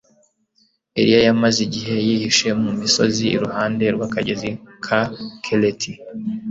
Eliya yamaze igihe yihishe mu misozi irihande rwakagezi ka Kereti